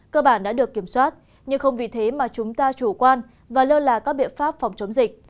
cơ bản đã được kiểm soát nhưng không vì thế mà chúng ta chủ quan và lơ là các biện pháp phòng chống dịch